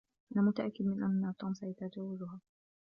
أنا متأكد من أن توم سيتجاوزها.